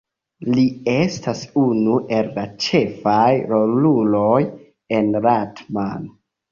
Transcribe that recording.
Li estas unu el la ĉefaj roluloj en Rat-Man.